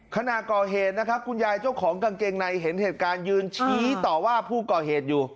ขณะก่อเหตุนะครับคุณยายเจ้าของกางเกงในเห็นเหตุการณ์ยืนชี้ต่อว่าผู้ก่อเหตุอยู่